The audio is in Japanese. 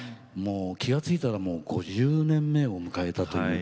気が付いたら５０年目を迎えた。